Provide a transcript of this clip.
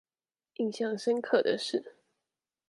印象深刻的是